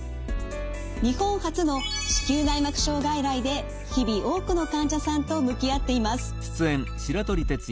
日本初の子宮内膜症外来で日々多くの患者さんと向き合っています。